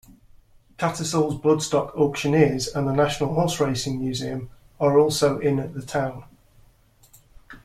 Tattersalls bloodstock auctioneers and the National Horseracing Museum are also in the town.